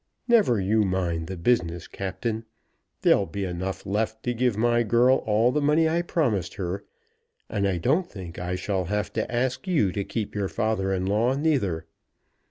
"Never you mind the business, Captain. There'll be enough left to give my girl all the money I promised her, and I don't think I shall have to ask you to keep your father in law neither.